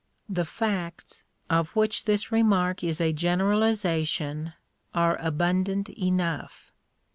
The facts, of which this remark is a generaliza* tion, are abundant enough.